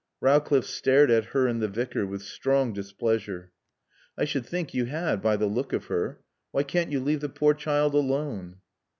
Rowcliffe stared at her and the Vicar with strong displeasure. "I should think you had by the look of her. Why can't you leave the poor child alone?"